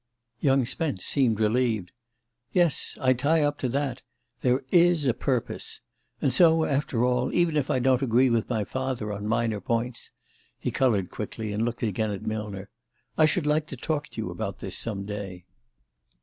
Young Spence seemed relieved. "Yes I tie up to that. There is a Purpose. And so, after all, even if I don't agree with my father on minor points ..." He coloured quickly, and looked again at Millner. "I should like to talk to you about this some day."